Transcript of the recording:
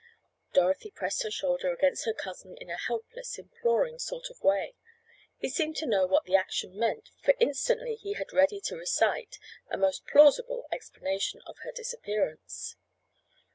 Dorothy pressed her shoulder against her cousin in a helpless, imploring sort of way. He seemed to know what the action meant for instantly he had ready to recite, a most plausible explanation of her disappearance.